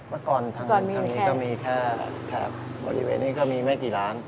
เมื่อก่อนทางนี้ก็มีแค่แถบบริเวณนี้ก็มีไม่กี่ร้าน